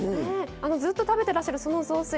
ずっと食べてらっしゃるその雑炊。